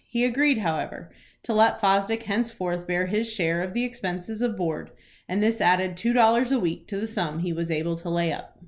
He agreed, however, to let Fosdick henceforth bear his share of the expenses of board, and this added two dollars a week to the sum he was able to lay up.